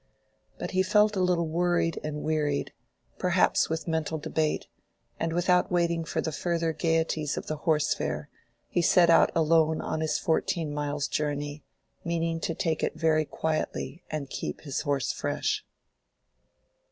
But he felt a little worried and wearied, perhaps with mental debate, and without waiting for the further gayeties of the horse fair, he set out alone on his fourteen miles' journey, meaning to take it very quietly and keep his horse fresh.